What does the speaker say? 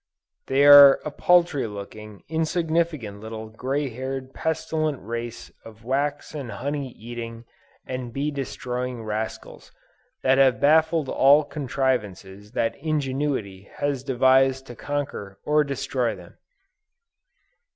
They are a paltry looking, insignificant little grey haired pestilent race of wax and honey eating and bee destroying rascals, that have baffled all contrivances that ingenuity has devised to conquer or destroy them."